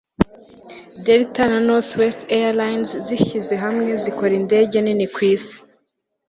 Delta na Northwest Airlines zishyize hamwe zikora indege nini ku isi